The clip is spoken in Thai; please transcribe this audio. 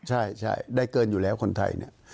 ใช่ได้เกินอยู่แล้วคนไทยเนี่ย